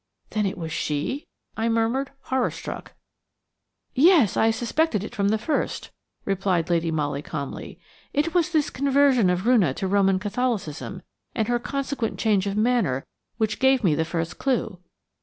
"Then it was she?" I murmured, horror struck. "Yes. I suspected it from the first," replied Lady Molly calmly. "It was this conversion of Roonah to Roman Catholicism and her consequent change of manner which gave me the first clue."